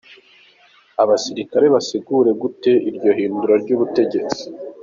Abasirikare basigura gute iryo hindura ry'ubutegetsi?.